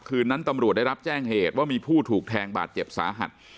คืนนั้นตำรวจได้รับแจ้งเหตุว่ามีผู้ถูกแทงบาดเจ็บสาหัส